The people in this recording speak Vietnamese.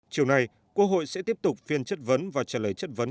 chiều nay quốc hội sẽ tiếp tục phiên chất vấn và trả lời chất vấn